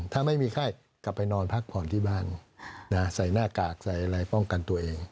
ถ้าไม่มีไข้กลับไปนอนพักผ่อนที่บ้านใส่หน้ากากใส่อะไรป้องกันตัวเอง